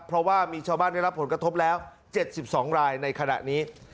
เพราะว่ามีชาวบ้านได้รับผลกระทบแล้ว๗๒รายในขณะนี้